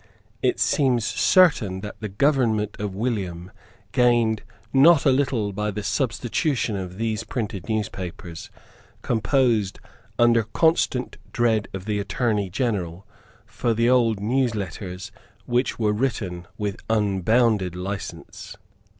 It seems certain that the government of William gained not a little by the substitution of these printed newspapers, composed under constant dread of the Attorney General, for the old newsletters, which were written with unbounded license.